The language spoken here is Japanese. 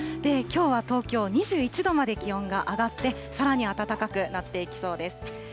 きょうは東京２１度まで気温が上がって、さらに暖かくなっていきそうです。